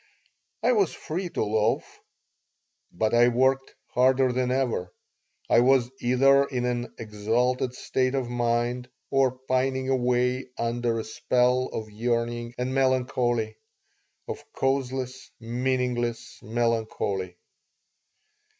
I was free to loaf, but I worked harder than ever. I was either in an exalted state of mind or pining away under a spell of yearning and melancholy of causeless, meaningless melancholy.